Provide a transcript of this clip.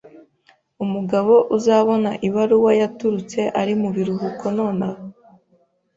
Umugabo uzabona ibaruwa yaturutse ari mubiruhuko nonaha.